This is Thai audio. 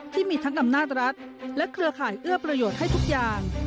ที่มีทั้งอำนาจรัฐและเครือข่ายเอื้อประโยชน์ให้ทุกอย่าง